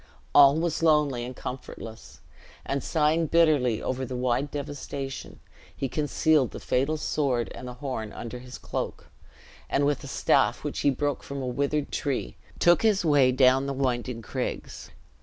All was lonely and comfortless; and sighing bitterly over the wide devastation, he concealed the fatal sword and the horn under his cloak, and with a staff which he broke from a withered tree, took his way down the winding craigs.